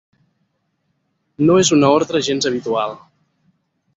No és una ordre gens habitual.